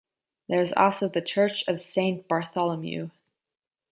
There is also the church of Saint Bartholomew.